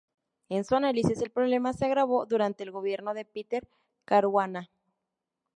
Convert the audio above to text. En su análisis, el problema se agravó durante el gobierno de Peter Caruana.